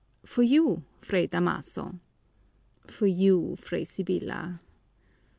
"For you, Fray Damaso." "For you, Fray Sibyla."